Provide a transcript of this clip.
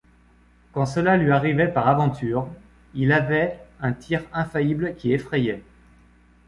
Quand cela lui arrivait par aventure, il avait un tir infaillible qui effrayait.